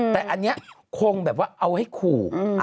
แต่อันนี้คงแบบว่าเอาให้ขู่